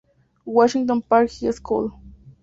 Washington Park High School